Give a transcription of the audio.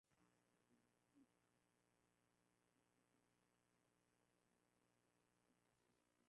zilipigwa marufuku bila kuondoa tofauti katika uwezo wa